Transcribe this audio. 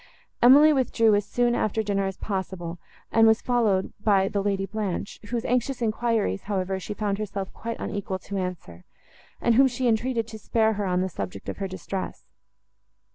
Emily withdrew as soon after dinner as possible, and was followed by the Lady Blanche, whose anxious enquiries, however, she found herself quite unequal to answer, and whom she entreated to spare her on the subject of her distress.